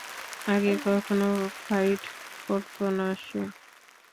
আগে কখনও ফাইট করত না সে।